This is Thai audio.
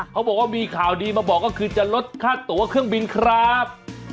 เขาบอกว่ามีข่าวดีมาบอกก็คือจะลดค่าตัวเครื่องบินครับ